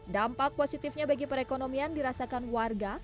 dampak positifnya bagi perekonomian dirasakan warga